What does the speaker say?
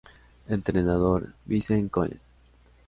Entrenador: Vincent Collet.